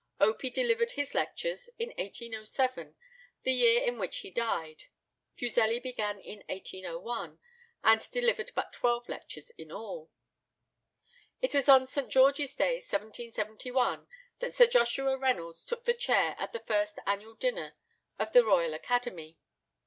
Opie delivered his lectures in 1807, the year in which he died. Fuseli began in 1801, and delivered but twelve lectures in all. It was on St. George's Day, 1771, that Sir Joshua Reynolds took the chair at the first annual dinner of the Royal Academy.